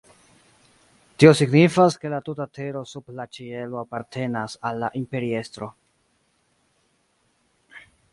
Tio signifas, ke la tuta tero sub la ĉielo apartenas al la imperiestro.